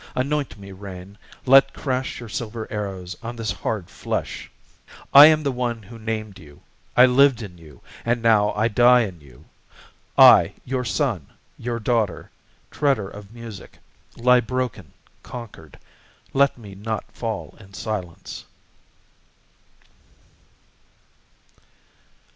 Anoint me, rain, let crash your silver arrows On this hard flesh! I am the one who named you, I lived in you, and now I die in you. I, your son, your daughter, treader of music, Lie broken, conquered.... Let me not fall in silence.